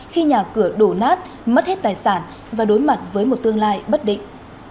khi nhà cửa đổ nát mất hết tài sản và đối mặt với một tương lai bất định